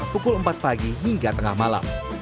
pukul empat pagi hingga tengah malam